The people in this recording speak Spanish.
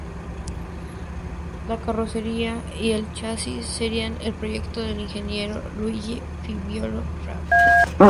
La carrocería y el chasis serían el proyecto del ingeniero Luigi Fabio Rape.